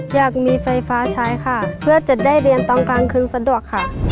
อยากมีไฟฟ้าใช้ค่ะเพื่อจะได้เรียนตอนกลางคืนสะดวกค่ะ